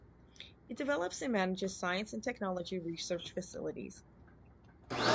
It develops and manages science and technology research facilities.